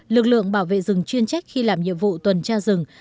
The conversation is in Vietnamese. lực lượng bảo vệ rừng chuyên trách khi làm nhiệm vụ tuần tra rừng